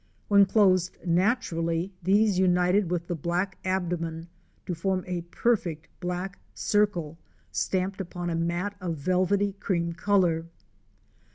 When closed naturally, these united with the black abdomen to form a perfect black circle stamped upon a mat of velvety cream color.